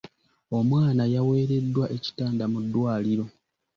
Omwana yaweereddwa ekitanda mu ddwaliro.